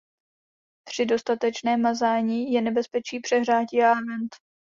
Při dostatečném mazání je nebezpečí přehřátí a event.